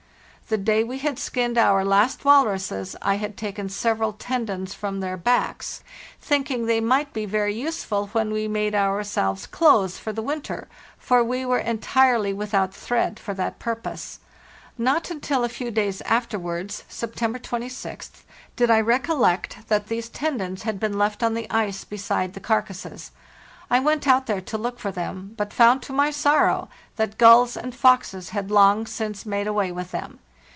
The day we had skinned our last walruses I had taken several tendons from their backs, thinking they might be very useful when we made ourselves clothes for the winter, for we were entirely without thread for that purpose. Not until a few days afterwards (September 26th) did I recollect that these tendons had been left on the ice beside the carcasses. I went out there to look for them, but found, to my sorrow, that gulls and foxes had long since made away with them.